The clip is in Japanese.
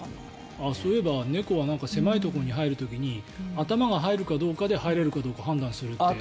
猫は狭いところに入る時に頭が入るかどうかで入れるかどうか判断するっていう。